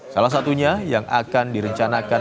salah satunya yang akan direncanakan